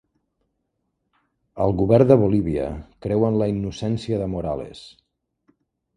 El govern de Bolívia creu en la innocència de Morales